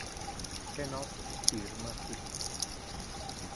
Que nos firma ci.